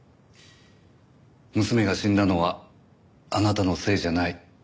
娘が死んだのはあなたのせいじゃない。